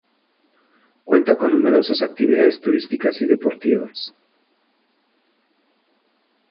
Cuenta con numerosas actividades turísticas y deportivas.